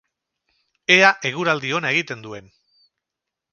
Ea eguraldi ona egiten duen!